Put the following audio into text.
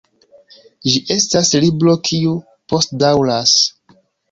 Ĝi estas libro kiu postdaŭras.